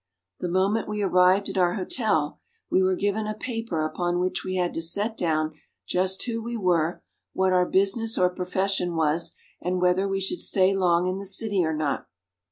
The moment we arrived at our hotel, we were given a paper upon which we had to set down just who we were, what our business or profession was, and whether we should stay long in the city or not.